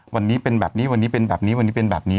วันนี้เป็นแบบนี้วันนี้เป็นแบบนี้วันนี้เป็นแบบนี้